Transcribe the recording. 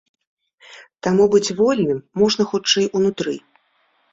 Таму быць вольным можна, хутчэй, унутры.